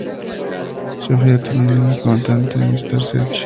Sophie ha sido una cantante en "Star Search".